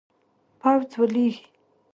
پوځ ولیږي.